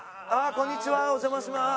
こんにちはお邪魔します。